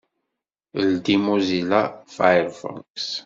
Ldi Mozilla Firefox.